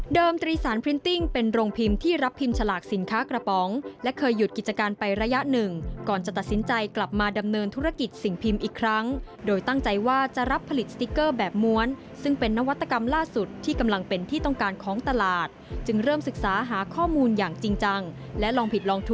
ตรีสารพรินติ้งเป็นโรงพิมพ์ที่รับพิมพ์ฉลากสินค้ากระป๋องและเคยหยุดกิจการไประยะหนึ่งก่อนจะตัดสินใจกลับมาดำเนินธุรกิจสิ่งพิมพ์อีกครั้งโดยตั้งใจว่าจะรับผลิตสติ๊กเกอร์แบบม้วนซึ่งเป็นนวัตกรรมล่าสุดที่กำลังเป็นที่ต้องการของตลาดจึงเริ่มศึกษาหาข้อมูลอย่างจริงจังและลองผิดลองท